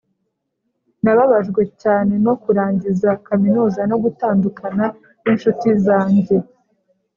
nababajwe cyane no kurangiza kaminuza no gutandukana n'inshuti zanjye,